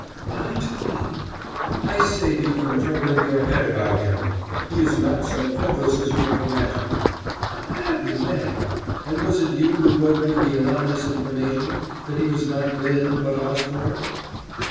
"Why to me?" "I save you from troubling your head about him. He is not so friendless as you have imagined." "Happy man! And was it you who wrote me the anonymous information that he was not Glyn but Osborne?"